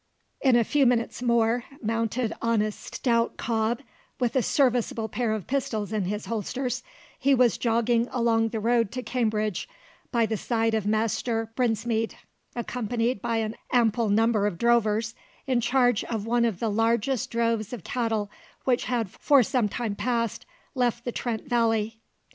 In a few minutes more, mounted on a stout cob, with a serviceable pair of pistols in his holsters, he was jogging along the road to Cambridge by the side of Master Brinsmead, accompanied by an ample number of drovers in charge of one of the largest droves of cattle which had for some time past left the Trent valley.